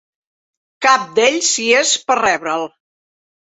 Cap d'ells hi és per rebre'l.